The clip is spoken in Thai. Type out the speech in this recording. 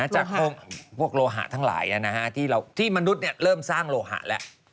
จากพวกโลหะทั้งหลายที่มนุษย์เริ่มสร้างโลหะแล้ว